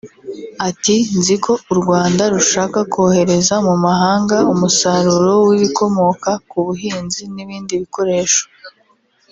Ati” Nzi ko u Rwanda rushaka kohereza mu mahanga umusaruro w’ibikomoka ku buhinzi n’ibindi bikoresho